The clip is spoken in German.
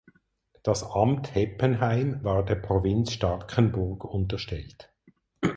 Das „Amt Heppenheim“ war der Provinz Starkenburg unterstellt.